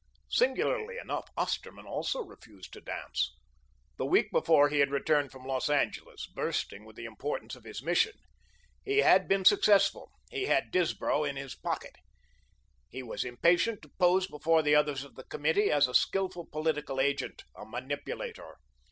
Singularly enough, Osterman also refused to dance. The week before he had returned from Los Angeles, bursting with the importance of his mission. He had been successful. He had Disbrow "in his pocket." He was impatient to pose before the others of the committee as a skilful political agent, a manipulator.